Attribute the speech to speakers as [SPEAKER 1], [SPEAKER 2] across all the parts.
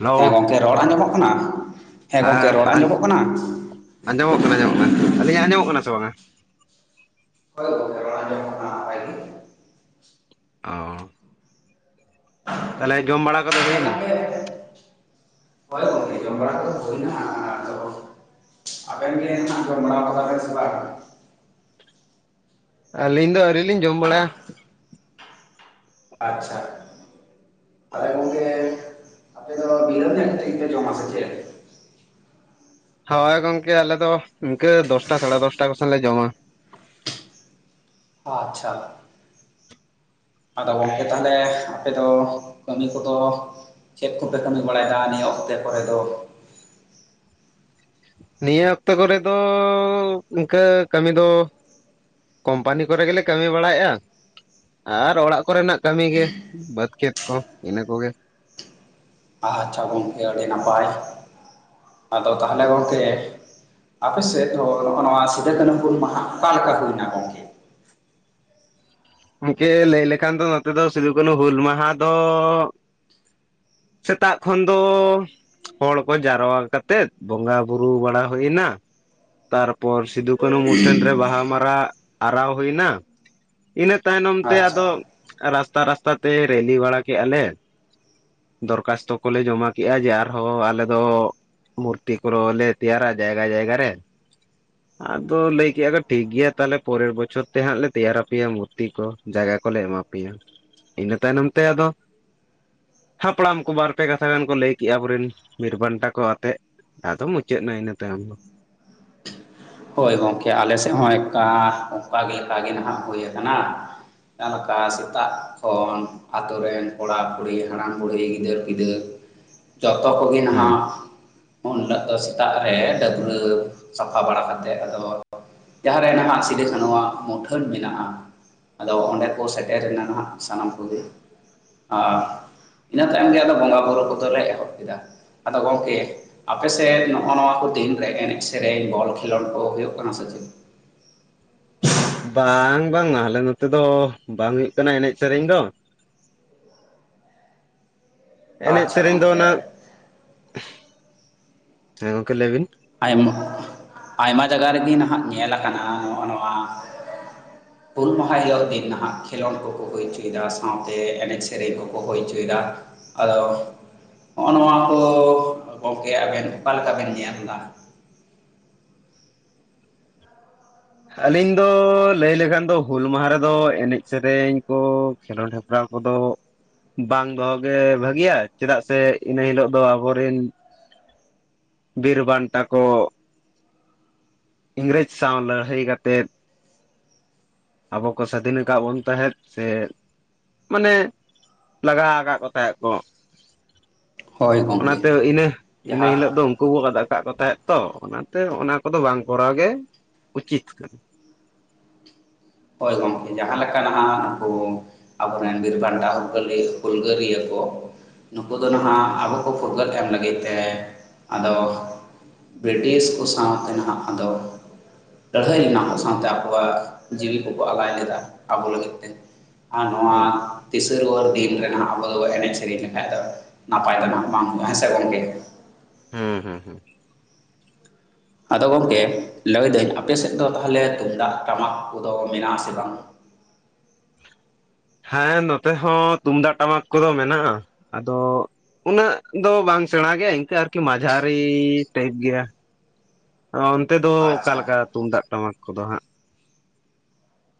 [SPEAKER 1] Hello
[SPEAKER 2] ᱦᱮᱸ ᱜᱚᱢᱠᱮ ᱨᱚᱲ ᱟᱸᱡᱚᱢᱚᱜ ᱠᱟᱱᱟ? ᱜᱚᱝᱠᱮ ᱨᱚᱲ
[SPEAKER 1] ᱦᱮᱸ
[SPEAKER 2] ᱟᱸᱡᱚᱢᱚᱜ ᱠᱟᱱᱟ?
[SPEAKER 1] ᱟᱸᱡᱚᱢᱚᱜ ᱠᱟᱱᱟ ᱟᱸᱡᱚᱢᱚᱜ ᱠᱟᱱᱟ ᱟᱹᱞᱤᱧ ᱟᱸᱡᱚᱢᱚᱜ ᱠᱟᱱᱟ ᱥᱮ ᱵᱟᱝᱟ?
[SPEAKER 2] ᱦᱚᱭ ᱜᱚᱢᱠᱮ ᱨᱚᱲ ᱟᱸᱡᱚᱢᱚᱜ ᱠᱟᱱᱟ ᱞᱟᱹᱭ ᱵᱤᱱ᱾
[SPEAKER 1] ᱚᱸ ᱾ ᱛᱟᱦᱚᱞᱮ ᱡᱚᱢ ᱵᱟᱲᱟ ᱠᱚᱫᱚ
[SPEAKER 2] ᱦᱮᱸ
[SPEAKER 1] ᱦᱩᱭᱱᱟ?
[SPEAKER 2] ᱜᱚᱝᱠᱮ ᱦᱳᱭ ᱜᱚᱝᱠᱮ ᱡᱚᱢ ᱵᱟᱲᱟ ᱠᱚᱫᱚ ᱦᱩᱭᱱᱟ᱾ ᱟᱫᱚ ᱟᱵᱮᱱ ᱜᱮ ᱮᱱᱦᱟᱜ ᱡᱚᱢ ᱵᱟᱲᱟᱣ ᱠᱮᱫᱟ ᱵᱤᱱ ᱥᱮ ᱵᱟᱸᱝ?
[SPEAKER 1] ᱟᱹᱞᱤᱧ ᱫᱚ ᱟᱹᱣᱨᱤ ᱞᱤᱧ ᱡᱚᱢ ᱵᱟᱲᱟᱭᱟ ᱾
[SPEAKER 2] ᱟᱪᱪᱷᱟ! ᱛᱟᱦᱞᱮ ᱜᱚᱝᱠᱮ ᱾ ᱟᱯᱮ ᱫᱚ, [unintelligible] ᱥᱮ ᱡᱚᱢᱟ ᱥᱮ ᱪᱮᱫ?
[SPEAKER 1] ᱦᱳᱭ, ᱜᱚᱝᱠᱮ, ᱟᱞᱮᱫ ᱫᱚ, ᱤᱱᱠᱟᱹ ᱫᱚᱥᱴᱟ, ᱥᱟᱲᱮ ᱫᱚᱥᱴᱟ ᱠᱚ, ᱥᱮᱱ ᱞᱮ ᱡᱚᱢᱟ ᱾
[SPEAKER 2] ᱟᱪᱪᱷᱟ ᱾ ᱟᱫᱚ ᱜᱚᱝᱠᱮ, ᱛᱟᱦᱟᱞᱮ ᱾ ᱟᱯᱮ ᱫᱚ, ᱠᱟᱹᱢᱤ ᱠᱚᱫᱚ, ᱪᱮᱫ ᱠᱚᱯᱮ ᱠᱟᱹᱢᱤ ᱵᱟᱲᱟ ᱭᱮᱫᱟ ᱾ ᱱᱤᱭᱟᱹ ᱚᱠᱛᱮ ᱠᱚᱨᱮ ᱫᱚ?
[SPEAKER 1] ᱱᱤᱭᱟᱹ ᱚᱠᱛᱚ ᱠᱚᱨᱮ ᱫᱚ, ᱤᱱᱠᱟᱹ ᱠᱟᱹᱢᱤ ᱫᱚ, ᱠᱚᱢᱯᱟᱱᱤ ᱠᱚᱨᱮ ᱜᱮᱞᱮ, ᱠᱟᱹᱢᱤ ᱵᱟᱲᱟᱭᱮᱼᱟᱜ, ᱟᱨ ᱚᱲᱟᱜ ᱠᱚᱨᱮᱱᱟᱜ ᱾ ᱠᱟᱹᱢᱤ ᱜᱮ ᱾ ᱵᱟᱹᱫᱽ ᱠᱷᱮᱛ ᱠᱚ, ᱤᱱᱟ ᱠᱚᱜᱮ ᱾
[SPEAKER 2] ᱟᱪᱪᱷᱟ, ᱜᱚᱢᱠᱮ ᱟᱹᱰᱤ ᱱᱟᱯᱟᱭ, ᱟᱫᱚ ᱛᱟᱦᱚᱞᱮ ᱜᱚᱢᱠᱮ, ᱟᱯᱮ ᱥᱮᱫ ᱫᱚ, ᱱᱚᱜᱼᱚᱭ ᱱᱚᱣᱟ, ᱥᱤᱫᱩ ᱠᱟᱹᱱᱦᱩ ᱦᱩᱞ ᱢᱟᱦᱟ ᱾ ᱚᱠᱟ ᱞᱮᱠᱟ ᱦᱩᱭᱱᱟ ᱾ ᱜᱚᱝᱠᱮ?
[SPEAKER 1] ᱜᱚᱝᱠᱮ, ᱞᱟᱹᱭ ᱞᱮᱠᱷᱟᱱ ᱫᱚ, ᱱᱚᱛᱮ ᱫᱚ, ᱥᱤᱫᱩ ᱠᱟᱹᱱᱦᱩ ᱦᱩᱞ, ᱢᱟᱦᱟ ᱫᱚ, ᱥᱮᱛᱟᱜ ᱠᱷᱚᱱ ᱫᱚ, ᱦᱚᱲ ᱠᱚ, ᱡᱟᱣᱨᱟ ᱠᱟᱛᱮᱜ, ᱵᱚᱸᱜᱟ ᱵᱩᱨᱩ ᱵᱟᱲᱟ, ᱦᱩᱭ ᱮᱱᱟ ᱾ ᱛᱟᱨᱯᱚᱨ ᱥᱤᱫᱩ, ᱠᱟᱹᱱᱦᱩ, ᱢᱩᱴᱷᱟᱹᱱ ᱨᱮ, ᱵᱟᱦᱟ ᱢᱟᱞᱟ ᱟᱨᱟᱣ ᱦᱩᱭ ᱮᱱᱟ ᱾ ᱤᱱᱟᱹ ᱛᱟᱭᱱᱚᱢ ᱛᱮ, ᱟᱫᱚ
[SPEAKER 2] ᱟᱪᱪᱷᱟ
[SPEAKER 1] ᱨᱟᱥᱛᱟ, ᱨᱟᱥᱛᱟ ᱛᱮ, ᱨᱮᱞᱤ ᱵᱟᱲᱟ ᱠᱮᱜᱼᱟ ᱞᱮ ᱾ ᱫᱚᱨᱠᱷᱟᱥᱛᱷᱚ ᱠᱚᱞᱮ, ᱡᱚᱢᱟ ᱠᱮᱜᱼᱟ, ᱡᱮ ᱟᱨᱦᱚᱸ ᱟᱞᱮ, ᱫᱚ ᱢᱩᱨᱛᱤ ᱠᱚ, ᱨᱮᱦᱚ ᱞᱮ, ᱛᱮᱭᱟᱨᱟ ᱡᱟᱭᱜᱟ, ᱡᱟᱭᱜᱟ ᱨᱮ ᱾ ᱟᱫᱚ, ᱞᱟᱹᱭ ᱠᱮᱫᱼᱟ ᱞᱮ ᱴᱷᱤᱠ ᱜᱮᱭᱟ, ᱛᱟᱦᱞᱮ ᱯᱚᱨᱮᱨ ᱵᱚᱪᱷᱚᱨ ᱛᱮ ᱦᱟᱸᱜ ᱞᱮ, ᱛᱮᱭᱟᱨ ᱟᱯᱮᱭᱟ ᱾ ᱢᱩᱛ ᱛᱤ ᱠᱚ, ᱡᱟᱭᱜᱟ ᱠᱚᱞᱮ, ᱮᱢᱟ ᱯᱮᱭᱟ᱾ ᱤᱱᱟᱹ ᱛᱟᱭᱱᱚᱢ ᱛᱮ, ᱟᱫᱚ ᱦᱟᱯᱲᱟᱢ ᱠᱚ, ᱵᱟᱨᱯᱮ ᱠᱟᱛᱷᱟ ᱜᱟᱱ ᱠᱚ, ᱞᱟᱹᱭ ᱠᱮᱜᱼᱟ, ᱟᱵᱚᱨᱮᱱ, ᱵᱤᱨ ᱵᱟᱱᱴᱟ ᱠᱚ, ᱟᱛᱮᱜ ᱟᱫᱚ, ᱢᱩᱪᱟᱹᱫ ᱮᱱᱟ, ᱤᱱᱟᱹ ᱛᱟᱭᱚᱢ ᱫᱚ ᱾
[SPEAKER 2] ᱦᱳᱭ, ᱜᱚᱝᱠᱮ ᱟᱞᱮ ᱥᱮᱫ ᱦᱚᱸ, ᱮᱠᱟ ᱚᱱᱠᱟ ᱜᱮ, ᱮᱠᱟᱜᱮ ᱱᱷᱟᱜ ᱦᱩᱭ ᱟᱠᱟᱱᱟ ᱾ ᱡᱟᱦᱟ ᱞᱮᱠᱟ, ᱥᱮᱛᱟᱜ ᱠᱷᱚᱱ, ᱟᱛᱳ ᱨᱮᱱ, ᱠᱚᱲᱟ-ᱠᱩᱲᱤ, ᱦᱟᱲᱟᱢ-ᱵᱩᱰᱷᱤ, ᱜᱤᱫᱟᱹᱨ-ᱯᱤᱫᱟᱹᱨ ᱾ ᱡᱚᱛᱚ ᱠᱚᱜᱮ
[SPEAKER 1] ᱦᱮᱸ
[SPEAKER 2] ᱱᱷᱟᱜ, ᱩᱱ ᱦᱤᱞᱳᱜ ᱫᱚ, ᱥᱮᱛᱟᱜ ᱨᱮ, ᱰᱟᱹᱵᱨᱟᱹ ᱥᱟᱯᱷᱟ ᱵᱟᱲᱟ ᱠᱟᱛᱮ, ᱛᱮ, ᱟᱫᱚ, ᱡᱟᱦᱟᱸᱨᱮ ᱱᱷᱟᱜ, ᱥᱤᱫᱩ ᱠᱟᱹᱱᱦᱩ, ᱣᱟᱜ ᱢᱩᱴᱷᱟᱹᱱ ᱢᱮᱱᱟᱜᱼᱟ ᱾ ᱟᱫᱚ ᱚᱱᱰᱮ ᱠᱚ, ᱥᱮᱴᱮᱨ ᱮᱱᱟ ᱦᱟᱸᱜ, ᱥᱟᱱᱟᱢ ᱠᱚᱜᱮ, ᱟᱸᱻ
[SPEAKER 1] ᱦᱩᱸ
[SPEAKER 2] ᱤᱱᱟᱹ ᱛᱟᱭᱚᱢ ᱜᱮ, ᱟᱫᱚ ᱵᱚᱸᱜᱟ ᱵᱩᱨᱩ, ᱠᱚᱫᱚ ᱞᱮ, ᱮᱦᱚᱵ ᱠᱮᱫᱟ ᱾ ᱟᱫᱚ, ᱜᱚᱝᱠᱮ ᱟᱯᱮ ᱥᱮᱫ, ᱱᱚᱜ ᱱᱚᱣᱟ ᱠᱚ, ᱫᱤᱱ ᱨᱮ ᱮᱱᱮᱜ, ᱥᱮᱨᱮᱧ, ᱵᱚᱞ ᱠᱷᱮᱞᱳᱰ ᱠᱚ, ᱦᱩᱭᱩᱜ ᱠᱟᱱᱟ ᱥᱮ ᱪᱮᱫ?
[SPEAKER 1] ᱵᱟᱝ, ᱵᱟᱝ ᱾ ᱟᱞᱮ, ᱱᱚᱛᱮ ᱫᱚ, ᱵᱟᱝ ᱦᱩᱭᱩᱜ ᱠᱟᱱᱟ ᱾ ᱮᱱᱮᱜ ᱥᱮᱨᱮᱧ ᱫᱚ ᱾
[SPEAKER 2] [unintelligible]
[SPEAKER 1] ᱮᱱᱮᱡ
[SPEAKER 2] ᱟᱪᱪᱷᱟ
[SPEAKER 1] ᱥᱮᱨᱮᱧ ᱫᱚ,
[SPEAKER 2] ᱜᱚᱢᱠᱮ
[SPEAKER 1] ᱦᱚᱱᱟᱝ, [unintelligible] ᱞᱟᱹᱭ ᱵᱤᱱ
[SPEAKER 2] ᱟᱭᱢᱟ, ᱟᱭᱢᱟ ᱡᱟᱭᱜᱟ ᱨᱮ ᱜᱮ, ᱱᱷᱟᱜ ᱧᱮᱞ ᱟᱠᱟᱱᱟ ᱾ ᱱᱚᱜ ᱱᱚᱣᱟ ᱾ [unintelligible] ᱦᱩᱞ ᱢᱟᱦᱟ ᱦᱤᱞᱳᱜ ᱜᱮ ᱱᱷᱟᱜ ᱠᱷᱮᱞᱳᱰ ᱠᱚ, ᱠᱚ ᱦᱩᱭ ᱦᱚᱪᱚ ᱭᱮᱫᱟ ᱾ ᱥᱟᱶᱛᱮ ᱮᱱᱮᱡ ᱥᱮᱨᱮᱧ ᱠᱚ, ᱠᱚ ᱦᱩᱭ ᱦᱚᱪᱚ ᱭᱮᱫᱟ ᱾ ᱟᱫᱚ, ᱱᱚᱜ ᱱᱚᱣᱟ ᱠᱚ, ᱜᱚᱝᱠᱮ! ᱟᱵᱮᱱ ᱚᱠᱟ ᱞᱮᱠᱟ ᱵᱮᱱ, ᱧᱮᱞᱫᱟ?
[SPEAKER 1] ᱟᱹᱞᱤᱧ ᱫᱚ, ᱞᱟᱹᱭ ᱞᱮᱠᱷᱟᱱ ᱫᱚ, ᱦᱩᱞ ᱢᱟᱦᱟ ᱨᱮᱫᱚ, ᱮᱱᱮᱡ ᱥᱮᱨᱮᱧ ᱠᱚ, ᱠᱷᱮᱞᱳᱰ ᱦᱮᱯᱨᱟᱣ ᱠᱚᱫᱚ, ᱵᱟᱝ ᱫᱚᱦᱚ ᱜᱮ, ᱵᱷᱟᱹᱜᱤᱭᱟ ᱾ ᱪᱮᱫᱟᱜ ᱥᱮ, ᱤᱱᱟᱹ ᱦᱤᱞᱚᱜ ᱫᱚ, ᱟᱵᱚᱨᱤᱱ ᱵᱤᱨ ᱵᱟᱱᱴᱟ ᱠᱚ, ᱤᱝᱨᱮᱡᱽ ᱥᱟᱶ ᱞᱟᱹᱼᱼ ᱛᱟ. ᱭ ᱠᱟᱛᱮᱫ ᱾ ᱟᱵᱚ ᱠᱚ, ᱥᱟᱫᱷᱤᱱ ᱟᱠᱟᱫ ᱵᱚᱱ, ᱛᱟᱦᱮᱸᱫ ᱥᱮ, ᱢᱟᱱᱮ, ᱞᱟᱜᱟ ᱟᱠᱟᱫ ᱠᱚ, ᱛᱟᱦᱮᱸᱫ ᱠᱚ ᱾
[SPEAKER 2] ᱦᱳᱭ ᱜᱚᱢᱠᱮ
[SPEAKER 1] ᱚᱱᱟᱛᱮ, ᱤᱱᱟᱹ ᱤᱱᱟᱹ
[SPEAKER 2] ᱡᱟᱦᱟᱸ
[SPEAKER 1] ᱦᱤᱞᱳᱜ ᱫᱚ, ᱩᱱᱠᱩ ᱵᱚ ᱟᱫ ᱟᱠᱟᱫ ᱠᱚ, ᱛᱟᱦᱮᱸᱫ ᱾ ᱛᱚ ᱚᱱᱟᱛᱮ ᱚᱱᱟ ᱠᱚᱫᱚ ᱵᱟᱝ ᱠᱚᱨᱟᱣ ᱜᱮᱼᱼ ᱩᱪᱤᱛ ᱠᱟᱼᱼ
[SPEAKER 2] ᱦᱳᱭ ᱜᱚᱝᱠᱮ ᱡᱟᱦᱟᱸ ᱞᱮᱠᱟ ᱱᱟᱦᱟᱜ ᱠᱚᱼᱼ ᱟᱵᱚ ᱨᱮᱱ ᱵᱤᱨᱵᱷᱟᱱᱴᱟ [unintelligible] ᱦᱩᱞᱜᱟᱹᱨᱭᱟᱹ ᱠᱚ ᱱᱩᱠᱩ ᱫᱚ ᱱᱟᱦᱟᱜ ᱟᱵᱚ ᱠᱚ ᱯᱷᱩᱨᱜᱟᱹᱞ ᱮᱢ ᱞᱟᱹᱜᱤᱫ ᱛᱮ ᱟᱫᱚᱼᱼ ᱵᱨᱤᱴᱤᱥ ᱠᱚ ᱥᱟᱶᱛᱮ ᱱᱟᱦᱟᱜ ᱟᱫᱚ ᱞᱟᱹᱲᱦᱟᱹᱭ [unintelligible] ᱥᱟᱶᱛᱮ ᱟᱵᱚᱣᱟᱜ ᱡᱤᱣᱤ ᱠᱚ ᱠᱚ ᱟᱞᱟᱭ ᱞᱮᱫᱟ ᱟᱵᱚ ᱞᱟᱹᱜᱤᱫ ᱛᱮ ᱟᱨ
[SPEAKER 1] ᱦᱮᱸ
[SPEAKER 2] ᱱᱚᱣᱟᱼᱼ ᱫᱤᱱ ᱨᱮᱱᱟᱜ ᱟᱵᱚ ᱫᱚᱵᱚᱱ ᱮᱱᱮᱡ ᱥᱮᱨᱮᱧ ᱞᱮᱠᱷᱟᱡ ᱫᱚ ᱱᱟᱯᱟᱭ ᱠᱟᱱᱟ ᱵᱟᱝ ᱦᱮᱸ ᱥᱮ ᱜᱚᱝᱜᱮ?
[SPEAKER 1] ᱦᱮᱸ ᱦᱮᱸ ᱦᱮᱸᱻ
[SPEAKER 2] ᱟᱫᱚ ᱜᱚᱝᱠᱮ ᱞᱟᱹᱭᱫᱟᱹᱧ ᱟᱯᱮ ᱥᱮᱫ ᱫᱚ ᱛᱟᱦᱚᱞᱮ ᱛᱩᱢᱫᱟᱜ ᱴᱟᱢᱟᱠ ᱠᱚᱫᱚ ᱢᱮᱱᱟᱜ ᱟᱥᱮ ᱵᱟᱝ? [unintelligible]
[SPEAKER 1] ᱦᱮᱸ ᱱᱚᱛᱮ ᱦᱚᱸ ᱛᱩᱢᱫᱟᱜ ᱴᱟᱢᱟᱠ ᱠᱚᱫᱚ ᱢᱮᱱᱟᱜᱼᱟ ᱟᱫᱚᱼᱼ ᱩᱱᱟᱹᱜ ᱫᱚ ᱵᱟᱝ ᱥᱮᱬᱟ ᱜᱮᱭᱟ ᱤᱱᱠᱟᱹ ᱟᱨᱠᱤ ᱢᱟᱡᱷᱟᱨᱤ ᱴᱟᱭᱤᱯ ᱜᱮᱭᱟ᱾
[SPEAKER 2] [inaudible]
[SPEAKER 1] ᱚᱱᱛᱮ ᱫᱚ
[SPEAKER 2] ᱟᱪᱪᱷᱟ
[SPEAKER 1] ᱚᱠᱟᱞᱮᱠᱟ ᱛᱩᱢᱫᱟᱜ ᱴᱟᱢᱟᱠ ᱠᱚᱫᱚ ᱦᱟᱸᱜ?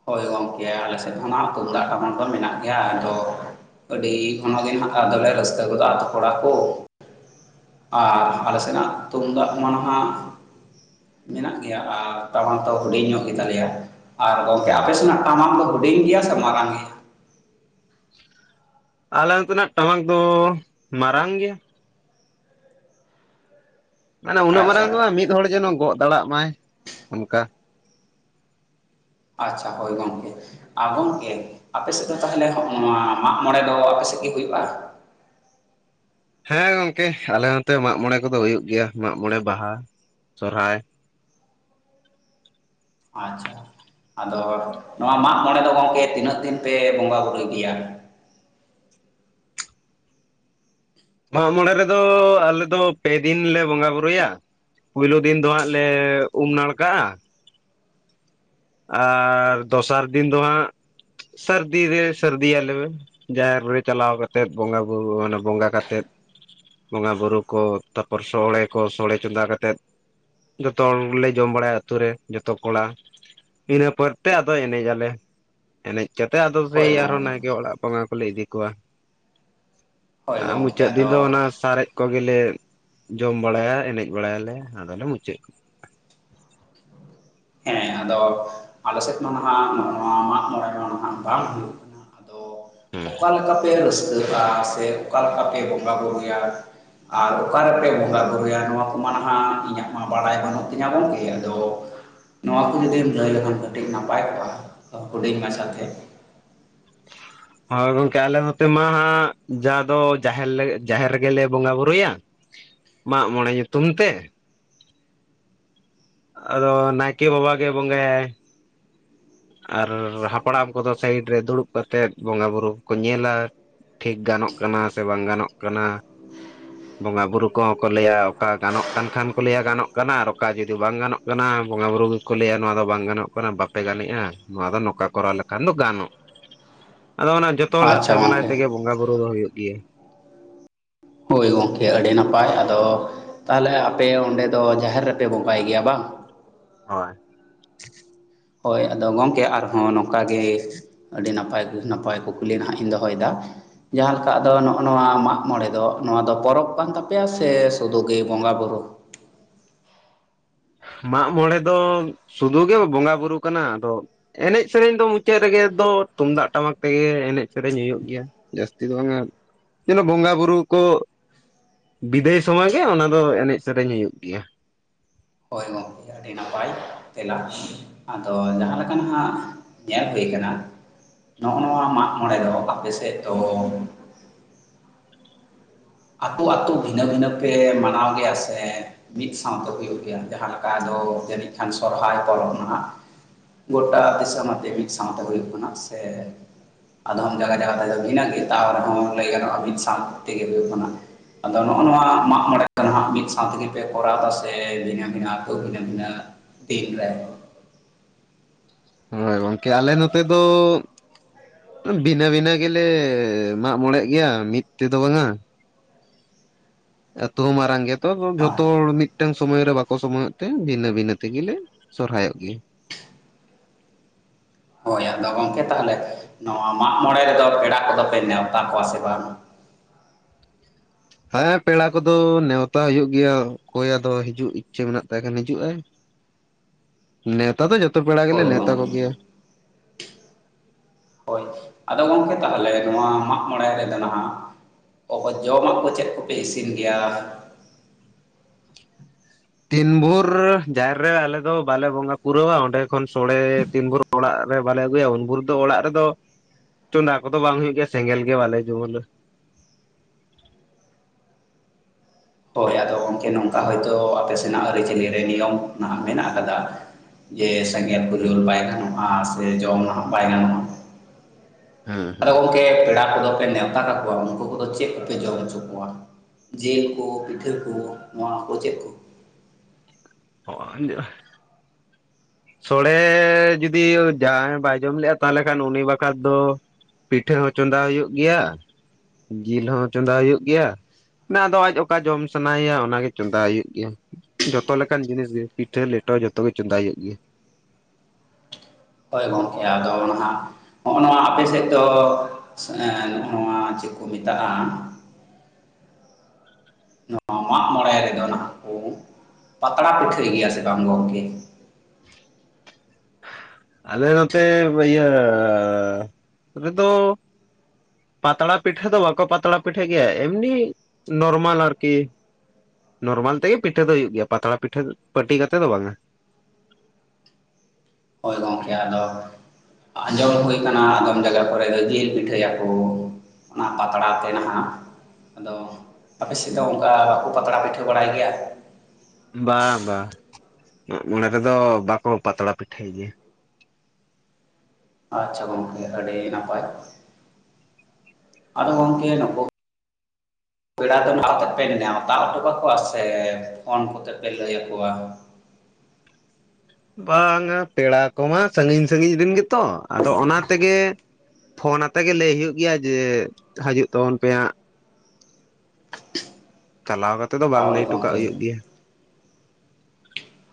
[SPEAKER 2] ᱦᱳᱭ ᱜᱚᱝᱠᱮ ᱟᱞᱮ ᱥᱮᱫ ᱦᱚᱸ ᱛᱩᱢᱫᱟᱜ ᱴᱟᱢᱟᱠ ᱫᱚ ᱢᱮᱱᱟᱜ ᱜᱮᱭᱟ ᱟᱫᱚᱼᱼ ᱟᱹᱰᱤ [unintelligible] ᱟᱫᱚᱞᱮ ᱨᱟᱹᱥᱠᱟᱹ ᱜᱫᱚᱽ ᱟ ᱟᱛᱳ ᱠᱚᱲᱟ ᱠᱚ᱾ ᱟᱨ ᱟᱞᱮ ᱥᱮᱱᱟᱜ ᱛᱩᱢᱫᱟᱜ ᱚᱱᱟ ᱫᱚ ᱦᱟᱜᱼᱼ ᱢᱮᱱᱟᱜ ᱜᱮᱭᱟ ᱟᱨ ᱛᱟᱞᱟ ᱛᱚ ᱦᱩᱰᱤᱧ ᱧᱚᱜ ᱜᱮᱛᱟᱞᱮᱭᱟ ᱟᱨᱼᱼ ᱟᱯᱮ
[SPEAKER 1] ᱦᱮᱸ
[SPEAKER 2] ᱥᱮᱱᱟᱜ ᱴᱟᱢᱟᱠ ᱫᱚ ᱦᱩᱰᱤᱧ ᱜᱮᱭᱟ ᱥᱮ ᱢᱟᱨᱟᱝ ᱜᱮ?
[SPEAKER 1] ᱟᱞᱮ ᱱᱚᱛᱮᱱᱟᱜ ᱴᱟᱢᱟᱠ ᱫᱚ ᱢᱟᱨᱟᱝ ᱜᱮ ᱩᱱᱟᱹᱜ
[SPEAKER 2] ᱟᱪᱪᱷᱟ
[SPEAKER 1] ᱢᱟᱨᱟᱝ ᱫᱚ ᱵᱟᱝ ᱢᱤᱫ ᱦᱚᱲ ᱡᱮᱱᱚ ᱜᱚᱜ ᱫᱟᱲᱟᱜ ᱢᱟᱭ᱾ ᱚᱱᱠᱟ
[SPEAKER 2] ᱟᱪᱪᱷᱟ ᱦᱳᱭ ᱜᱚᱝᱠᱮᱼᱼ ᱟ ᱜᱚᱝᱠᱮ ᱟᱯᱮ ᱥᱮᱫ ᱫᱚ ᱛᱟᱦᱚᱞᱮ ᱱᱚᱣᱟ ᱢᱟᱜ ᱢᱚᱬᱮ ᱫᱚ ᱟᱯᱮ ᱥᱮᱫ ᱜᱮ ᱦᱩᱭᱩᱜᱼᱟ?
[SPEAKER 1] ᱦᱮᱸ ᱜᱚᱝᱠᱮ ᱟᱞᱮ ᱱᱛᱮ ᱢᱟᱜ ᱢᱚᱬᱮ ᱠᱚᱫᱚ ᱦᱩᱭᱩᱜ ᱜᱮᱭᱟ ᱢᱟᱜ ᱢᱚᱬᱮ ᱵᱟᱦᱟ, ᱥᱚᱨᱦᱟᱭ
[SPEAKER 2] ᱟᱪᱪᱷᱟ ᱟᱫᱚ ᱱᱚᱣᱟ ᱢᱟᱜ ᱢᱚᱬᱮ ᱫᱚ ᱜᱚᱝᱠᱮ ᱛᱤᱱᱟᱹᱜ ᱫᱤᱱ ᱯᱮ ᱵᱚᱸᱜᱟ ᱵᱩᱨᱩᱭ ᱜᱮᱭᱟ?
[SPEAKER 1] ᱢᱟᱜ ᱢᱚᱬᱮ ᱨᱮᱫᱚ ᱟᱞᱮᱫ ᱫᱚ ᱯᱮ ᱫᱤᱱ ᱞᱮ ᱵᱚᱸᱜᱟ ᱵᱩᱨᱩᱭᱟ᱾ ᱯᱩᱭᱞᱳ ᱫᱤᱱ ᱫᱚ ᱦᱟᱸᱜ ᱞᱮ ᱩᱢ ᱱᱟᱲᱠᱟᱜᱼᱟ᱾ ᱟᱨ ᱫᱚᱥᱟᱨ ᱫᱤᱱ ᱫᱚ ᱦᱟᱸᱜ ᱥᱟᱹᱨᱫᱤ ᱨᱮ ᱥᱟᱹᱨᱫᱤᱭᱟᱞᱮ, ᱡᱟᱦᱮᱨ ᱨᱮ ᱪᱟᱞᱟᱣ ᱠᱟᱛᱮᱫ ᱵᱚᱸᱜᱟ ᱵᱩᱨᱩ ᱚᱱᱟ ᱵᱚᱸᱜᱟ ᱠᱟᱛᱮᱫ ᱵᱚᱸᱜᱟ ᱵᱩᱨᱩ ᱠᱚ ᱛᱟᱯᱚᱨ ᱥᱚᱲᱮ ᱠᱚ ᱥᱚᱲᱮ ᱪᱚᱸᱫᱟ ᱠᱟᱛᱮᱫ ᱡᱚᱛᱚ ᱦᱚᱲᱞᱮ ᱡᱚᱢ ᱵᱟᱲᱟᱭᱟ ᱟᱛᱩ ᱨᱮ ᱡᱚᱛᱚ ᱠᱚᱲᱟᱼᱼ ᱤᱱᱟᱹ ᱯᱚᱨᱛᱮ ᱟᱫᱚ ᱮᱱᱮᱡ ᱟᱞᱮ ᱮᱱᱮᱡ ᱠᱟᱛᱮᱜ ᱟᱫᱚ ᱥᱮᱭ
[SPEAKER 2] ᱦᱳᱭ
[SPEAKER 1] ᱟᱨᱚ
[SPEAKER 2] ᱜᱚᱢᱠᱮ
[SPEAKER 1] ᱱᱟᱭᱠᱮ ᱚᱲᱟᱜᱼᱼ ᱵᱚᱸᱜᱟ ᱠᱚᱞᱮ ᱤᱫᱤ ᱠᱚᱣᱟ
[SPEAKER 2] ᱦᱳᱭ
[SPEAKER 1] ᱟᱨ
[SPEAKER 2] ᱜᱚᱢᱠᱮ
[SPEAKER 1] ᱢᱩᱪᱟᱹᱫ ᱫᱤᱱ ᱫᱚ
[SPEAKER 2] ᱟᱫᱚ
[SPEAKER 1] ᱚᱱᱟ ᱥᱟᱨᱮᱡᱼᱼ ᱠᱚᱜᱮᱞᱮ ᱡᱚᱢ ᱵᱟᱲᱟᱭᱟ ᱮᱱᱮᱡ ᱵᱟᱲᱟᱭᱟᱞᱮ ᱟᱫᱚᱞᱮ ᱢᱩᱪᱟᱹᱫᱼᱼ
[SPEAKER 2] ᱦᱮᱸ ᱟᱫᱚ ᱟᱞᱮ ᱥᱮᱫ ᱫᱚ ᱱᱟᱦᱟᱜ ᱱᱚᱣᱟ ᱢᱟᱜ ᱢᱚᱬᱮ ᱫᱚ ᱦᱟᱜ ᱵᱟᱝ ᱦᱩᱭᱩᱜ-ᱟ ᱠᱟᱱᱟ ᱟᱫᱚ
[SPEAKER 1] ᱦᱮᱸ
[SPEAKER 2] ᱚᱠᱟ ᱞᱮᱠᱟ ᱯᱮ ᱨᱟᱹᱥᱠᱟᱹᱜᱼᱟ ᱥᱮ ᱚᱠᱟ ᱞᱮᱠᱟ ᱯᱮ ᱵᱚᱸᱜᱟ ᱵᱩᱨᱩᱭᱟ? ᱟᱨ ᱚᱠᱟᱨᱮᱯᱮ ᱵᱚᱸᱜᱟ ᱵᱩᱨᱩᱭᱟ? ᱱᱚᱣᱟ ᱠᱚᱢᱟ ᱱᱟᱦᱟᱜ ᱤᱧᱟᱹᱜ ᱢᱟ ᱵᱟᱲᱟᱭ ᱵᱟᱹᱱᱩᱜ ᱛᱤᱧᱟ ᱜᱚᱝᱠᱮ ᱟᱫᱚᱼᱼ ᱱᱚᱣᱟ ᱠᱚ ᱡᱩᱫᱤᱢ ᱞᱟᱹᱭ ᱞᱮᱠᱷᱟᱱ ᱠᱟᱹᱴᱤᱡ ᱱᱟᱯᱟᱭ ᱠᱚᱜ-ᱟ ᱦᱩᱰᱤᱧ ᱢᱟᱪᱷᱟ ᱛᱮᱼᱼ [unintelligible]
[SPEAKER 1] ᱦᱳᱭ ᱜᱚᱝᱠᱮ ᱟᱞᱮ ᱱᱚᱛᱮ ᱢᱟ ᱦᱟᱸᱜ ᱡᱟ ᱫᱚ ᱡᱟᱦᱮᱨ ᱡᱟᱦᱮᱨ ᱨᱮᱜᱮᱞᱮ ᱵᱚᱸᱜᱟ ᱵᱩᱨᱩᱭᱟ ᱢᱟᱜ ᱢᱚᱬᱮ ᱧᱩᱛᱩᱢ ᱛᱮ ᱟᱫᱚ ᱱᱟᱭᱠᱮ ᱵᱟᱵᱟ ᱜᱮ ᱵᱚᱸᱜᱟᱭᱟᱭ᱾ ᱟᱨ ᱦᱟᱯᱲᱟᱢ ᱠᱚᱫᱚ ᱥᱟᱭᱤᱰ ᱨᱮ ᱫᱩᱲᱩᱵ ᱠᱟᱛᱮᱫ ᱵᱚᱸᱜᱟ ᱵᱩᱨᱩ ᱠᱚᱠᱚ ᱧᱮᱞᱟ ᱴᱷᱤᱠ ᱜᱟᱱᱚᱜ ᱠᱟᱱᱟ ᱥᱮ ᱵᱟᱝ ᱜᱟᱱᱚᱜ ᱠᱟᱱᱟ᱾
[SPEAKER 2] [inaudible]
[SPEAKER 1] ᱵᱚᱸᱜᱟ ᱵᱩᱨᱩ ᱠᱚᱦᱚᱸ ᱠᱚ ᱞᱟᱹᱭᱟ ᱚᱠᱟ ᱜᱟᱱᱚᱜ ᱠᱟᱱ ᱠᱷᱟᱱ ᱠᱚ ᱞᱟᱹᱭᱟ ᱜᱟᱱᱚᱜ ᱠᱟᱱᱟ ᱟᱨ ᱚᱠᱟ ᱡᱩᱫᱤ ᱵᱟᱝ ᱜᱟᱱᱚᱜ ᱠᱟᱱᱟ ᱵᱚᱸᱜᱟ ᱵᱩᱨᱩ ᱜᱮᱠᱚ ᱞᱟᱹᱭᱟ ᱱᱚᱣᱟ ᱫᱚ ᱵᱟᱝ ᱜᱟᱱᱚᱜ ᱠᱟᱱᱟ ᱵᱟᱯᱮ ᱜᱟᱱᱮᱜᱼᱟ᱾ ᱱᱚᱣᱟ ᱫᱚ ᱱᱚᱝᱠᱟ ᱠᱚᱨᱟᱣ ᱞᱮᱠᱷᱟᱱ ᱫᱚ ᱜᱟᱱᱚᱜ᱾ ᱟᱫᱚ ᱚᱱᱟ ᱡᱚᱛᱚ ᱦᱚᱲ ᱞᱟᱜ
[SPEAKER 2] ᱟᱪᱪᱷᱟ
[SPEAKER 1] ᱥᱟᱢᱮᱞᱟᱭ
[SPEAKER 2] ᱜᱚᱢᱠᱮ
[SPEAKER 1] ᱛᱮᱜᱮ ᱵᱚᱸᱜᱟ ᱵᱩᱨᱩ ᱫᱚ ᱦᱩᱭᱩᱜ ᱜᱮᱭᱟ᱾
[SPEAKER 2] ᱦᱳᱭ ᱜᱚᱝᱠᱮ ᱟᱹᱰᱤ ᱱᱟᱯᱟᱭ, ᱟᱫᱚ ᱛᱟᱦᱚᱞᱮ ᱟᱯᱮ ᱚᱸᱰᱮ ᱫᱚ ᱡᱟᱦᱮᱨ ᱨᱮᱯᱮ ᱵᱚᱸᱜᱟᱭ ᱜᱮᱭᱟ ᱵᱟᱝ?
[SPEAKER 1] ᱦᱳᱭ
[SPEAKER 2] ᱦᱳᱭ ᱟᱫᱚ ᱜᱚᱝᱠᱮ ᱟᱨᱦᱚᱸ ᱱᱚᱝᱠᱟ ᱜᱮ ᱟᱹᱰᱤ ᱱᱟᱯᱟᱭ ᱱᱟᱯᱟᱭ ᱠᱚᱠᱩᱞᱤ ᱱᱟᱦᱟᱜ ᱞᱤᱧ ᱫᱚᱦᱚᱭᱮᱫᱟ᱾ ᱡᱟᱦᱟᱸ ᱞᱮᱠᱟ ᱟᱫᱚ ᱱᱚᱜᱼᱚ ᱱᱚᱣᱟ ᱢᱟᱜ ᱢᱚᱬᱮ ᱫᱚ ᱱᱚᱣᱟ ᱫᱚ ᱯᱚᱨᱚᱵᱽ ᱠᱟᱱ ᱛᱟᱯᱮᱭᱟ ᱥᱮ ᱥᱩᱫᱷᱩ ᱜᱮ ᱵᱚᱸᱜᱟ ᱵᱩᱨᱩ᱾
[SPEAKER 1] ᱢᱟᱜ ᱢᱚᱬᱮ ᱫᱚ ᱥᱩᱫᱷᱩ ᱜᱮ ᱵᱚᱸᱜᱟ ᱵᱩᱨᱩ ᱠᱟᱱᱟ, ᱟᱫᱚ ᱮᱱᱮᱡ ᱥᱮᱨᱮᱧ ᱫᱚ ᱢᱩᱪᱟᱹᱫ ᱨᱮᱜᱮ ᱫᱚ ᱛᱩᱢᱫᱟᱜ ᱴᱟᱢᱟᱠ ᱛᱮᱜᱮ ᱮᱱᱮᱡ ᱥᱮᱨᱮᱧ ᱦᱩᱭᱩᱜ ᱜᱮᱭᱟ᱾ ᱡᱟᱹᱥᱛᱤ ᱫᱚ ᱵᱟᱝᱼᱟ, ᱡᱮᱱᱚ ᱵᱚᱸᱜᱟ ᱵᱩᱨᱩ ᱠᱚ ᱵᱤᱫᱟᱹᱭ ᱥᱚᱢᱚᱭ ᱜᱮ ᱚᱱᱟ ᱫᱚ ᱮᱱᱮᱡ ᱥᱮᱨᱮᱧ ᱦᱩᱭᱩᱜ ᱜᱮᱭᱟ᱾
[SPEAKER 2] ᱦᱚᱭ ᱜᱚᱝᱠᱮ ᱟᱹᱰᱤ ᱱᱟᱯᱟᱭ ᱛᱮᱞᱟᱡᱽ ᱟᱫᱚ ᱡᱟᱦᱟᱸ ᱞᱮᱠᱟ ᱱᱟᱦᱟᱜ ᱧᱮᱞ ᱦᱩᱭ ᱠᱟᱱᱟ ᱱᱚᱜᱼᱚ ᱱᱚᱣᱟ ᱢᱟᱜ ᱢᱚᱬᱮ ᱫᱚ ᱟᱯᱮᱮᱥᱮᱫ ᱫᱚ ᱟᱹᱛᱳ ᱟ ᱟᱹᱛᱳ ᱵᱷᱤᱱᱟᱹ ᱵᱷᱤᱱᱟᱹ ᱯᱮ ᱢᱟᱱᱟᱣ ᱜᱮᱭᱟ ᱥᱮ ᱢᱤᱫ ᱥᱟᱶᱛᱮ ᱦᱩᱭᱩᱜ ᱜᱮᱭᱟ, ᱡᱟᱦᱟᱸ ᱞᱮᱠᱟ ᱟᱫᱚ ᱡᱟᱹᱱᱤᱡ ᱠᱷᱟᱱ ᱥᱚᱨᱦᱟᱭ ᱯᱟᱨᱚᱵ ᱱᱟᱦᱟᱜ᱾ ᱜᱚᱴᱟ ᱫᱤᱥᱚᱢ ᱟᱛᱮ ᱢᱤᱫ ᱥᱟᱶᱛᱮ ᱦᱩᱭᱩᱜ ᱠᱟᱱᱟ ᱥᱮ ᱟᱫᱚᱢ ᱡᱟᱭᱜᱟ ᱡᱟᱭᱜᱟ ᱨᱮ ᱵᱷᱤᱱᱟᱹᱜ ᱜᱮ ᱛᱟᱣ ᱨᱮᱦᱚᱸ ᱞᱟᱹᱭ ᱜᱟᱱᱚᱜᱼᱟ ᱢᱤᱫ ᱥᱟᱶ ᱛᱮᱜᱮ ᱟᱫᱚ ᱱᱚᱜᱼᱚ ᱱᱚᱣᱟ ᱢᱟᱜ ᱢᱚᱬᱮ ᱫᱚ ᱱᱟᱜ ᱢᱤᱫ ᱥᱟᱶ ᱛᱮᱜᱮᱯᱮ ᱠᱚᱨᱟᱣ ᱮᱫᱟ ᱥᱮ ᱵᱷᱤᱱᱟᱹ ᱵᱷᱤᱱᱟᱹ ᱟᱹᱛᱩ ᱵᱷᱤᱱᱟᱹ ᱵᱷᱤᱱᱟᱹ ᱫᱤᱱ [unintelligible]
[SPEAKER 1] ᱦᱳᱭ ᱜᱚᱝᱠᱮ ᱟᱞᱮ ᱱᱚᱛᱮ ᱫᱚ ᱵᱷᱤᱱᱟᱹ ᱵᱷᱤᱱᱟᱹ ᱜᱮᱞᱮ ᱢᱟᱜ ᱢᱚᱬᱮᱜ ᱜᱮᱭᱟ ᱢᱤᱫ ᱛᱮᱫᱚ ᱵᱟᱝᱼᱟ᱾ ᱟᱹᱛᱩ ᱦᱚᱸ ᱢᱟᱨᱟᱝ ᱜᱮᱫᱚ
[SPEAKER 2] ᱦᱳᱭ
[SPEAKER 1] ᱡᱷᱚᱛᱚ ᱦᱚᱲ ᱢᱤᱫ ᱢᱤᱫᱴᱟᱝ ᱥᱚᱢᱚᱭ ᱨᱮ ᱵᱟᱠᱚ ᱥᱚᱢᱚᱭᱚᱜ ᱛᱮ ᱵᱷᱤᱱᱟᱹ ᱵᱷᱤᱱᱟᱹ ᱛᱮᱜᱮᱞᱮ ᱥᱚᱨᱦᱟᱭᱚᱜ ᱜᱮᱭᱟ᱾
[SPEAKER 2] ᱦᱳᱭ ᱟᱫᱚ ᱜᱚᱢᱠᱮ ᱛᱟᱦᱚᱞᱮ ᱱᱚᱣᱟ ᱢᱟᱜ ᱢᱚᱬᱮ ᱨᱮᱫᱚ ᱯᱮᱲᱟ ᱠᱚᱫᱚ ᱯᱮ ᱱᱮᱣᱛᱟ ᱠᱚᱣᱟ ᱥᱮ ᱵᱟᱝ?
[SPEAKER 1] ᱦᱮᱸ ᱯᱮᱲᱟ ᱠᱚᱫᱚ ᱱᱮᱣᱛᱟ ᱦᱩᱭᱩᱜ ᱜᱮᱭᱟ ᱚᱠᱚᱭ ᱟᱫᱚ ᱦᱤᱡᱩᱜ ᱤᱪᱪᱷᱟᱹ ᱢᱮᱱᱟᱜ ᱛᱟᱭ ᱠᱷᱟᱱ ᱦᱤᱡᱩᱜ ᱟᱭ
[SPEAKER 2] [inaudible]
[SPEAKER 1] ᱱᱮᱶᱛᱟ ᱫᱚ ᱡᱚᱛᱚ ᱯᱮᱲᱟ ᱜᱮᱞᱮ
[SPEAKER 2] ᱦᱳᱭ
[SPEAKER 1] ᱱᱮᱶᱛᱟ
[SPEAKER 2] ᱜᱚᱢᱠᱮ
[SPEAKER 1] ᱠᱚᱜᱮᱭᱟ᱾
[SPEAKER 2] ᱦᱳᱭ ᱟᱫᱚ ᱜᱚᱝᱠᱮ ᱛᱟᱦᱚᱞᱮ ᱱᱚᱣᱟ ᱢᱟᱜ ᱢᱚᱬᱮ ᱨᱮᱫᱚ ᱱᱟᱜ ᱚᱠᱚᱭ, ᱡᱚᱢᱟᱜ ᱠᱚ ᱪᱮᱫ ᱠᱚᱯᱮ ᱤᱥᱤᱱ ᱜᱮᱭᱟ?
[SPEAKER 1] ᱛᱤᱱ ᱵᱷᱳᱨ ᱡᱟᱦᱮᱨ ᱨᱮ ᱟᱞᱮ ᱫᱚ ᱵᱟᱞᱮ ᱵᱚᱸᱜᱟ ᱯᱩᱨᱟᱹᱣᱟ ᱚᱸᱰᱮ ᱠᱷᱚᱱ ᱥᱳᱲᱮ ᱛᱤᱱ ᱵᱷᱳᱨ ᱚᱲᱟᱜ ᱨᱮ ᱵᱟᱞᱮ ᱟᱹᱜᱩᱭᱟ ᱩᱱ ᱵᱷᱳᱨ ᱫᱚ ᱚᱲᱟᱜ ᱨᱮᱫᱚ ᱪᱚᱸᱫᱟ ᱠᱚᱫᱚ ᱵᱟᱝ ᱦᱩᱭᱩᱜ ᱜᱮᱭᱟ ᱥᱮᱸᱜᱮᱞ ᱜᱮ ᱵᱟᱞᱮ ᱡᱩᱞ
[SPEAKER 2] ᱦᱳᱭ ᱟᱫᱚ ᱜᱚᱝᱠᱮ ᱱᱚᱝᱠᱟ ᱦᱳᱭᱛᱳ ᱟᱯᱮ ᱥᱮᱱᱟᱜ ᱟᱹᱨᱤᱪᱟᱹᱞᱤ ᱨᱮ ᱱᱤᱭᱚᱢ ᱱᱟᱦᱟᱜ ᱢᱮᱱᱟᱜ ᱠᱟᱫᱟ᱾ ᱡᱮ ᱥᱮᱸᱜᱮᱞ ᱠᱚ ᱡᱩᱞ
[SPEAKER 1] ᱦᱮᱸ
[SPEAKER 2] ᱵᱟᱭ ᱜᱟᱱᱚᱜᱼᱟ ᱥᱮ ᱡᱚᱢ ᱱᱟᱦᱟᱜ ᱵᱟᱭ ᱜᱟᱱᱚᱜᱼᱟ᱾ ᱟᱫᱚ
[SPEAKER 1] ᱦᱮᱸ
[SPEAKER 2] ᱜᱚᱝᱠᱮ ᱯᱮᱲᱟ ᱠᱚᱫᱚ ᱯᱮ ᱱᱮᱶᱛᱟ ᱠᱟᱠᱚᱣᱟ ᱩᱱᱠᱩ ᱠᱚᱫᱚ ᱪᱮᱫ ᱠᱚᱯᱮ ᱡᱚᱢ ᱦᱚᱪᱚ ᱠᱚᱣᱟ᱾ ᱡᱤᱞ ᱠᱚ, ᱯᱤᱴᱷᱟᱹ ᱠᱚ, ᱱᱚᱣᱟ ᱠᱚ ᱪᱮᱫ ᱠᱚ
[SPEAKER 1] [unintelligible] ᱥᱚᱲᱮ ᱡᱩᱫᱤ ᱡᱟᱦᱟᱸᱭ ᱵᱟᱭ ᱡᱚᱢ ᱞᱮᱫᱼᱟ, ᱛᱟᱦᱚᱞᱮ ᱠᱷᱟᱱ ᱩᱱᱤ ᱵᱟᱠᱷᱷᱟᱨᱟ ᱫᱚ ᱯᱤᱴᱷᱟᱹ ᱦᱚᱸ ᱪᱚᱸᱫᱟ ᱦᱩᱭᱩᱜ ᱜᱮᱭᱟ, ᱡᱤᱞ ᱦᱚᱸ ᱪᱚᱸᱫᱟ ᱦᱩᱭᱩᱜ ᱜᱮᱭᱟ᱾ ᱟᱫᱚ ᱟᱡ ᱚᱠᱟ ᱡᱚᱢ ᱥᱟᱱᱟᱭᱮᱭᱟ ᱚᱱᱟᱜᱮ ᱪᱚᱸᱫᱟᱭ ᱦᱩᱭᱩᱜ ᱜᱮᱭᱟ᱾ ᱡᱚᱛᱚ ᱞᱮᱠᱟᱱ ᱡᱤᱱᱤᱥ ᱜᱮ ᱯᱤᱴᱷᱟᱹ ᱞᱮᱴᱚ ᱡᱚᱛᱚ ᱜᱮ ᱪᱚᱸᱫᱟᱭ ᱦᱩᱭᱩᱜ ᱜᱮᱭᱟ᱾
[SPEAKER 2] ᱦᱳᱭ ᱜᱚᱢᱠᱮᱼᱟ ᱟᱫᱚ ᱱᱟᱦᱟᱜ ᱦᱚᱼᱚ ᱱᱚᱣᱟ ᱟᱯᱮ ᱥᱮᱫ ᱫᱚ ᱱᱚᱣᱟ ᱪᱮᱫ ᱠᱚ ᱢᱮᱛᱟᱜᱼᱟ, ᱱᱚᱣᱟ ᱢᱟᱜ ᱢᱚᱬᱮ ᱨᱮᱫᱚ ᱱᱟᱟᱜ ᱠᱚ ᱯᱟᱛᱲᱟ ᱯᱤᱴᱷᱟᱹᱭ ᱜᱮᱭᱟ ᱥᱮ ᱵᱟᱝ ᱜᱚᱝᱠᱮ?
[SPEAKER 1] ᱟᱞᱮ ᱱᱚᱛᱮ ᱤᱭᱟᱹ ᱨᱮᱫᱚ ᱯᱟᱛᱲᱟ ᱯᱤᱴᱷᱟᱹ ᱫᱚ ᱵᱟᱠᱚ ᱯᱟᱛᱲᱟ ᱯᱤᱴᱷᱟᱹ ᱜᱮᱭᱟ, ᱮᱢᱱᱤ ᱱᱚᱨᱢᱟᱞ ᱟᱨᱠᱤ ᱱᱚᱨᱢᱟᱞ ᱛᱮᱜᱮ ᱯᱤᱴᱷᱟᱹ ᱫᱚ ᱦᱩᱭᱩᱜ ᱜᱮᱭᱟ, ᱯᱟᱛᱲᱟ ᱯᱤᱴᱷᱟᱹ ᱯᱟᱹᱴᱤ ᱠᱟᱛᱮ ᱫᱚ ᱵᱟᱝᱼᱟ᱾
[SPEAKER 2] ᱦᱳᱭ ᱜᱚᱝᱠᱮ ᱟᱫᱚ ᱟᱸᱡᱚᱢ ᱦᱩᱭ ᱟᱠᱟᱱᱟ ᱟᱫᱚᱢ ᱡᱟᱭᱜᱟ ᱠᱚᱨᱮ ᱫᱚ ᱡᱤᱞ ᱯᱤᱴᱷᱟᱹᱭ ᱟᱠᱚ᱾ ᱚᱱᱟ ᱯᱟᱛᱲᱟ ᱛᱮ ᱱᱟᱦᱟᱜ, ᱟᱫᱚ ᱟᱯᱮ ᱥᱮᱫ ᱫᱚ ᱚᱱᱠᱟ ᱵᱟᱠᱚ ᱯᱟᱛᱲᱟ ᱯᱤᱴᱷᱟᱹ ᱵᱟᱲᱟᱭ ᱜᱮᱭᱟ?
[SPEAKER 1] ᱵᱟᱝ ᱵᱟᱝ, ᱢᱟᱜ-ᱢᱚᱬᱮ ᱨᱮᱫᱚ ᱵᱟᱠᱚ ᱯᱟᱛᱲᱟ ᱯᱤᱴᱷᱟᱹᱭ ᱜᱮᱭᱟ᱾
[SPEAKER 2] ᱟᱪᱪᱷᱟ ᱜᱚᱝᱠᱮ ᱟᱹᱰᱤ ᱱᱟᱯᱟᱭ, ᱟᱫᱚ ᱜᱚᱢᱠᱮ ᱱᱳᱠᱳ ᱯᱮᱲᱟ ᱫᱚ ᱱᱟᱸᱜ ᱯᱮ ᱱᱮᱣᱛᱟ ᱦᱚᱴᱚ ᱠᱟᱠ-ᱟ ᱥᱮ ᱯᱷᱳᱱ ᱠᱚᱛᱮ ᱯᱮ ᱞᱟᱹᱭ ᱟᱠᱚᱣᱟ?
[SPEAKER 1] ᱵᱟᱝᱼᱟ, ᱯᱮᱲᱟ ᱠᱚᱢᱟ ᱥᱟᱺᱜᱤᱧ ᱥᱟᱺᱜᱤᱧ ᱨᱮᱱ ᱜᱮᱛᱚ ᱟᱫᱚ ᱚᱱᱟ ᱛᱮᱜᱮ ᱯᱷᱳᱱ ᱟᱛᱮ ᱜᱮ ᱞᱟᱹᱭ ᱦᱩᱭᱩᱜ ᱜᱮᱭᱟ ᱡᱮ ᱦᱤᱡᱩᱜ ᱛᱟᱵᱚᱱ ᱯᱮ ᱦᱟᱸᱜ ᱾ ᱪᱟᱞᱟᱣ ᱠᱟᱛᱮᱜ ᱫᱚ ᱵᱟᱝ
[SPEAKER 2] ᱦᱳᱭ
[SPEAKER 1] ᱞᱟᱹᱭ ᱦᱚᱴᱚᱠᱟᱜ
[SPEAKER 2] ᱜᱚᱢᱠᱮ
[SPEAKER 1] ᱦᱩᱭᱩᱜ ᱜᱮᱭᱟ᱾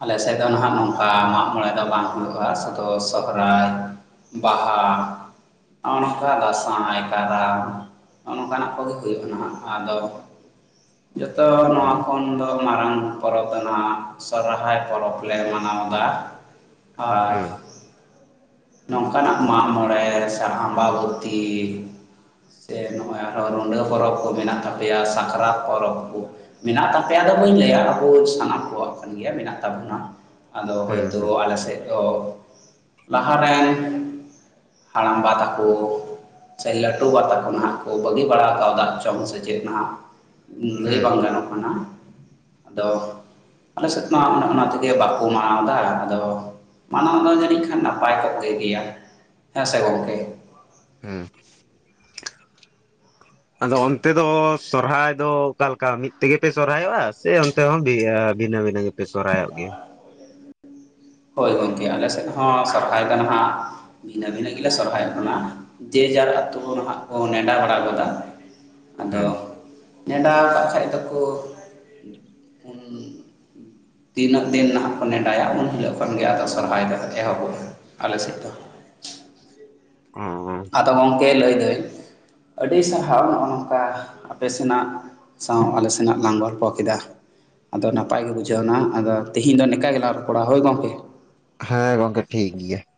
[SPEAKER 2] ᱟᱞᱮ ᱥᱮᱫ ᱫᱚ ᱱᱟᱸᱜ ᱱᱚᱝᱠᱟ ᱢᱟᱜ-ᱢᱚᱬᱮ ᱫᱚ ᱵᱟᱝ ᱦᱩᱭᱩᱜᱼᱟ, ᱥᱩᱫᱩ ᱥᱚᱦᱨᱟᱭ ᱵᱟᱦᱟ ᱚᱱᱠᱟ ᱫᱟᱸᱥᱟᱭ ᱠᱟᱨᱟᱢ, ᱱᱚᱜᱼ ᱱᱚᱝᱠᱟ ᱱᱟᱜ ᱠᱚᱜᱮ ᱦᱩᱭᱩᱜ ᱱᱟᱸᱜ, ᱟᱫᱚ ᱡᱚᱛᱚ ᱱᱚᱣᱟ
[SPEAKER 1] ᱦᱩᱸ
[SPEAKER 2] ᱠᱷᱚᱱ ᱫᱚ ᱢᱟᱨᱟᱝ ᱯᱚᱨᱚᱵ ᱫᱚ ᱱᱟᱸᱜ ᱥᱚᱨᱦᱟᱭ ᱯᱚᱨᱚᱵᱽ ᱞᱮ ᱢᱟᱱᱟᱣ ᱫᱟ, ᱟᱨ
[SPEAKER 1] ᱦᱩᱸ
[SPEAKER 2] ᱱᱚᱝᱠᱟ ᱱᱟᱜ ᱢᱟᱜ-ᱢᱚᱬᱮ ᱥᱮ ᱟᱢᱵᱟᱵᱚᱛᱤ ᱥᱮ ᱱᱚᱜᱼᱚᱭ ᱟᱨᱦᱚᱸ ᱨᱩᱰᱟᱹ ᱯᱚᱨᱚᱵᱽ ᱠᱚ ᱢᱮᱱᱟᱜ ᱛᱟᱯᱮᱭᱟ, ᱥᱟᱠᱨᱟᱛ ᱯᱚᱨᱚᱵᱽ ᱠᱚ, ᱢᱮᱱᱟᱜ ᱛᱟᱯᱮᱭᱟ ᱫᱚ ᱵᱟᱹᱧ ᱞᱟᱹᱭᱟ ᱟᱵᱚ ᱥᱟᱱᱟᱢ ᱠᱚᱣᱟᱜ᱾ ᱜᱮᱭᱟ ᱢᱮᱱᱟᱜ ᱛᱟᱵᱚᱱᱟ, ᱟᱫᱚ
[SPEAKER 1] ᱦᱩᱸ ᱦᱩᱸ
[SPEAKER 2] ᱦᱳᱭᱛᱳ ᱟᱞᱮ ᱥᱮᱫ ᱞᱟᱦᱟ ᱨᱮᱱ ᱦᱟᱲᱟᱢ ᱵᱟ ᱛᱟᱠᱚ ᱥᱮ ᱞᱟᱹᱴᱩ ᱵᱟ ᱛᱟᱠᱚ ᱱᱟᱸᱜ ᱠᱚ ᱵᱟᱹᱜᱤ ᱵᱟᱲᱟ ᱠᱟᱣᱫᱟ ᱪᱚᱝ ᱥᱮ ᱪᱮᱫ ᱱᱟᱸᱜ, ᱞᱟᱹᱭ
[SPEAKER 1] ᱦᱩᱸ
[SPEAKER 2] ᱵᱟᱝ ᱜᱟᱱᱚᱜ ᱠᱟᱱᱟ᱾ ᱟᱫᱚ ᱟᱞᱮ ᱥᱮᱫ ᱢᱟ ᱚᱱᱮ ᱚᱱᱟ ᱛᱮᱜᱮ ᱵᱟᱠᱚ ᱢᱟᱱᱟᱣᱫᱟ᱾ ᱟᱫᱚ ᱢᱟᱱᱟᱣ ᱫᱚ ᱡᱟᱹᱱᱤᱡ ᱠᱷᱟᱱ ᱱᱟᱯᱟᱭ ᱠᱚᱜ ᱜᱮᱭᱟ, ᱦᱮᱸ ᱥᱮ ᱜᱚᱝᱠᱮ᱾
[SPEAKER 1] ᱦᱩᱸ
[SPEAKER 2] [unintelligible]
[SPEAKER 1] ᱟᱫᱚ ᱚᱱᱛᱮ ᱫᱚ ᱥᱚᱨᱦᱟᱭ ᱫᱚ ᱚᱠᱟ ᱞᱮᱠᱟ ᱢᱤᱫ ᱛᱮᱜᱮ ᱯᱮ ᱥᱚᱨᱦᱟᱭᱚᱜᱼᱟ? ᱥᱮ ᱚᱱᱛᱮ ᱦᱚᱸ ᱵᱷᱤᱱᱟᱹ ᱵᱷᱤᱱᱟᱹ ᱜᱮᱯᱮ ᱥᱚᱨᱦᱟᱭᱚᱜ ᱜᱮᱭᱟ?
[SPEAKER 2] ᱦᱳᱭ ᱜᱚᱢᱠᱮ ᱟᱞᱮ ᱥᱮᱫ ᱦᱚᱸ ᱥᱚᱨᱦᱟᱭ ᱫᱚ ᱱᱟᱸᱜ ᱵᱷᱤᱱᱟᱹ ᱵᱷᱤᱱᱟᱹ ᱜᱮᱞᱮ ᱥᱚᱨᱦᱟᱭᱚᱜ ᱠᱟᱱᱟ ᱡᱮ ᱡᱟᱨ ᱟᱛᱩ ᱠᱚᱨᱮᱱᱟᱜ ᱠᱚ ᱱᱮᱰᱟ ᱵᱟᱲᱟ ᱜᱚᱫᱟ᱾ ᱟᱫᱚ
[SPEAKER 1] ᱦᱮᱸ
[SPEAKER 2] ᱱᱮᱰᱟ ᱠᱟ-ᱠᱷᱟᱡ ᱫᱚᱠᱚ ᱛᱤᱱᱟᱹᱜ ᱫᱤᱱ ᱱᱟᱦᱟᱜ ᱠᱚ ᱱᱮᱰᱟᱭᱟᱜ ᱩᱱ ᱦᱤᱞᱳᱜ ᱩᱱ ᱦᱤᱞᱳᱜ ᱠᱷᱟᱱ ᱜᱮ ᱟᱫᱚ ᱥᱚᱨᱦᱟᱭ ᱫᱚ ᱮᱦᱚᱵᱚᱜᱼᱟ ᱟᱞᱮ ᱥᱮᱫ ᱫᱚ ᱾
[SPEAKER 1] [unintelligible]
[SPEAKER 2] ᱟᱫᱚ ᱜᱚᱢᱠᱮ ᱞᱟᱹᱭ ᱫᱟᱹᱧ ᱟᱹᱰᱤ ᱥᱟᱨᱦᱟᱣ ᱱᱚᱜᱼᱚ ᱱᱚᱝᱠᱟ ᱟᱯᱮ ᱥᱮᱱᱟᱜ ᱥᱟᱶ ᱟᱞᱮ ᱥᱮᱱᱟᱜ ᱞᱟᱝ ᱜᱚᱞᱯᱚ ᱠᱮᱫᱟ᱾ ᱟᱫᱚ ᱱᱟᱯᱟᱭ ᱜᱮ ᱵᱩᱡᱷᱟᱹᱣ ᱮᱱᱟ ᱟᱫᱚ ᱛᱤᱦᱤᱧ ᱫᱚ ᱱᱤᱠᱟ ᱜᱮᱞᱟᱝ ᱨᱚᱯᱚᱲᱟ ᱦᱚᱭ ᱜᱚᱢᱠᱮ ᱾
[SPEAKER 1] ᱦᱮᱸ ᱜᱚᱝᱠᱮ ᱴᱷᱤᱠ ᱜᱮᱭᱟ ᱾